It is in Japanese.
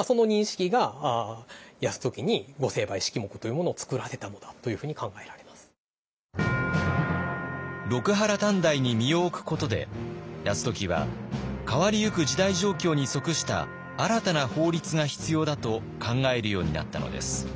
もう一つはそういった中でここは一つ六波羅探題に身を置くことで泰時は変わりゆく時代状況に即した新たな法律が必要だと考えるようになったのです。